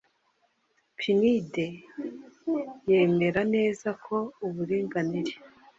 pnud yemera neza ko uburinganire